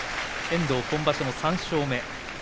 遠藤、今場所の３勝目。